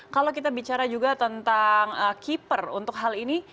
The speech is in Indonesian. kalau kita bicara juga tentang keeper untuk hal ini